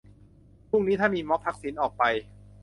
พรุ่งนี้ถ้ามีม็อบ ทักษิณออกไป